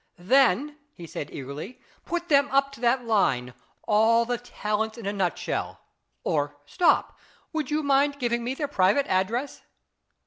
"Then," he said eagerly, "put them up to that line, ' all the talents in a nutshell.' Or stop ; would you mind giving me their private address